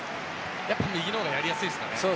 やっぱり右のほうがやりやすいですかね。